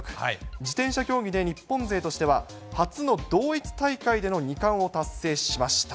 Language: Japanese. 自転車競技で日本勢としては、初の同一大会での２冠を達成しました。